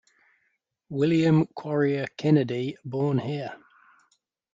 William Quarrier Kennedy born here.